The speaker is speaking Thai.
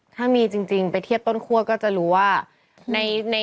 ถ้ามีจริงไปเทียบต้นคั่วก็จะรู้ว่า